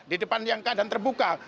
di depan yang keadaan terbuka